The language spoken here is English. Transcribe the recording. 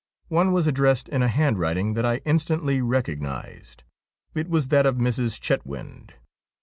One was addressed in a hand writing that I instantly recognised. It was that of Mrs. Chetwynd.